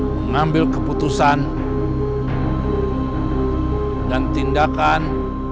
mengambil keputusan dan tindakan